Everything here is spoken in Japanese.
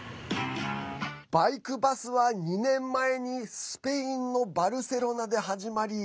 バイクバスは２年前にスペインのバルセロナで始まり